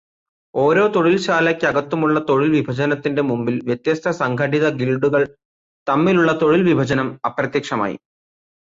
ഓരോ തൊഴിൽ ശാലക്കകത്തുമുള്ള തൊഴിൽവിഭജനത്തിന്റെ മുമ്പിൽ വ്യത്യസ്ത സംഘടിത ഗിൽഡുകൾ തമ്മിലുള്ള തൊഴിൽ വിഭജനം അപ്രത്യക്ഷമായി.